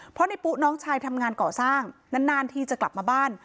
เพราะในปุ๊น้องชายทำงานก่อสร้างนานทีจะกลับมาบ้าน